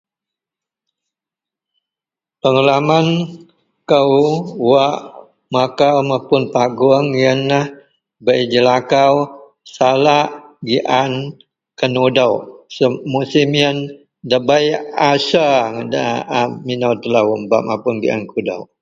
Pengalaman kou wak makau mapun paguong yenlah bei jelakau salak gian kenudok. Musim yen ndabei aser a nga a minou telou bak mapun gian kudok,